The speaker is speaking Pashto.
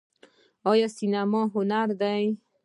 آیا سینما هنر دی؟